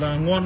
dạ ăn ngon